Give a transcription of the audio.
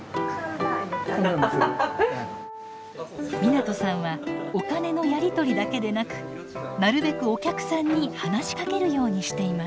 湊さんはお金のやり取りだけでなくなるべくお客さんに話しかけるようにしています。